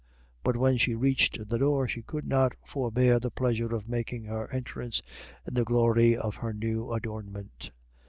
But when she reached the door, she could not forbear the pleasure of making her entrance in the glory of her new adornment.